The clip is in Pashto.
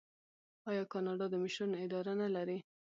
آیا کاناډا د مشرانو اداره نلري؟